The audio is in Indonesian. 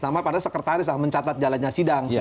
namanya panitera sekretaris mencatat jalannya sidang